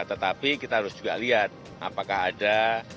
tetapi kita harus juga lihat apakah ada